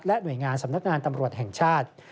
หน่วยงานสำนักงานตำรวจแห่งชาติ